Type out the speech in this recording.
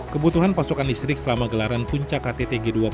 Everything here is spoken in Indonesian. kebutuhan pasokan listrik selama gelaran puncak ktt g dua puluh